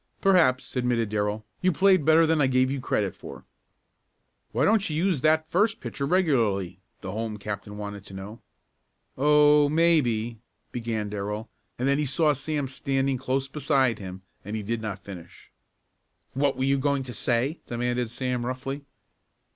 "Perhaps," admitted Darrell. "You played better than I gave you credit for." "Why don't you use that first pitcher regularly?" the home captain wanted to know. "Oh, maybe " began Darrell, and then he saw Sam standing close beside him, and he did not finish. "What were you going to say?" demanded Sam roughly.